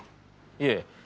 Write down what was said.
いえ。